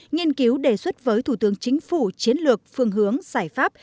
nghiên cứu đề xuất với thủ tướng chính phủ chiến lược phương hướng giải pháp